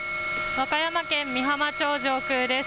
和歌山県美浜町上空です。